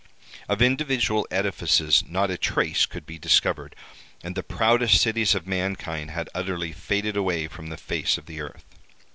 Of individual edifices not a trace could be discovered, and the proudest cities of mankind had utterly faded away from the face of the earth.